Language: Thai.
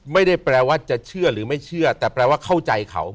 ไม่ได้แปลว่าจะเชื่อหรือไม่เชื่อแต่แปลว่าเข้าใจเขา